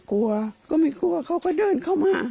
กลัวก็ไม่กลัวเขาก็เดินเข้ามา